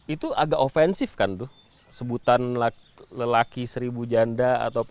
itu agak ofensif kan tuh sebutan lelaki seribu janda